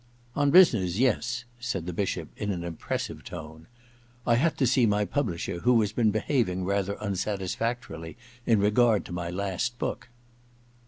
* On business — yes ' said the Bishop in an impressive tone. * I had to see my publisher, who has been behaving rather unsatisfactorily in regard to my last book.'